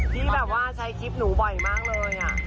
ที่แบบว่าใช้คลิปหนูบ่อยมากเลย